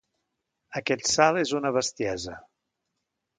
Aquest salt és una bestiesa!